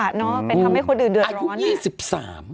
อายุพวกงี้สิบสาม